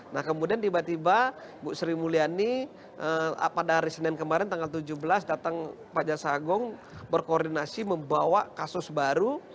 nah kemudian tiba tiba ibu sri mulyani pada senin kemarin tanggal tujuh belas datang ke kejagung berkoordinasi membawa kasus baru